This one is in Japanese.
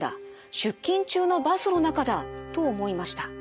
出勤中のバスの中だ」と思いました。